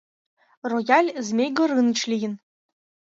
Рояль Змей Горыныч лийын...